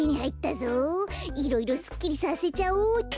いろいろすっきりさせちゃおうっと！